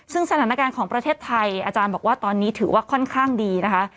ซึ่งสถานการณ์ของประเทศไทยอาจารย์บอกว่าตอนนี้ถือว่าค่อนข้างดีนะคะ